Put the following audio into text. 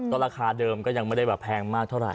ก็ราคาเดิมยังไม่ได้แพงมากเท่าไร